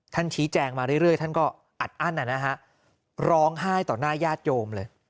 ชี้แจงมาเรื่อยท่านก็อัดอั้นนะฮะร้องไห้ต่อหน้าญาติโยมเลย